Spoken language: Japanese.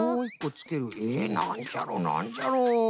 なんじゃろなんじゃろ？